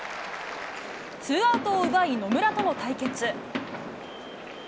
ツーアウトを奪い、野村との対決。